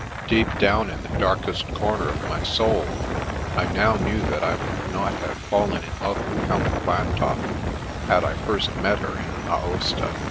Deep down in the darkest comer of Afternoon Calls 149 my soul, I now knew that I would not have fallen in love with Helen Blantock had I first met her in Aosta.